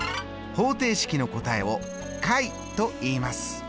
方程式の答えを解といいます。